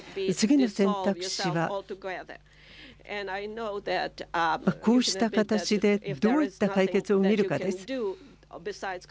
次の選択肢はこうした形でどういった解決を見るかです。